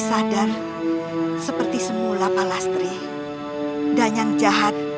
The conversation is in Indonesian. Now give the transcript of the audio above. jangan pernah meremehkan kami